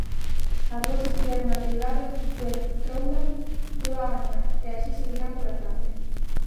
As rúas estiveron ateigadas de troula toda a mañá e así seguirán pola tarde.